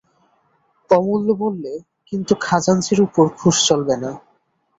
অমূল্য বললে, কিন্তু খাজাঞ্চির উপর ঘুষ চলবে না।